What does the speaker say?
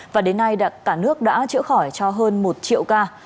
và đến nay cả nước đã chữa khỏi cho hơn một triệu ca